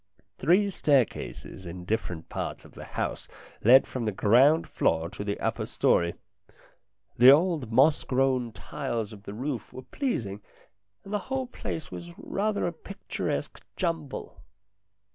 Three staircases in different parts of the house led from the ground floor to the upper storey. The old 278 STORIES IN GREY moss grown tiles of the roof were pleasing, and the whole place was rather a picturesque jumble.